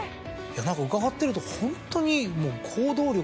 伺ってるとホントに。